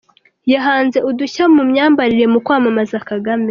Yahanze udushya mu myambarire mu kwamamaza Kagame.